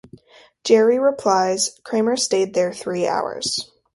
Jerry replies, Kramer stayed there three hours.